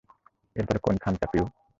এরপর কোন খামটা, পিট?